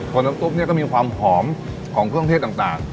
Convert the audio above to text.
คนทั้งตุ๊กก็มีความหอมของเครื่องเทศต่าง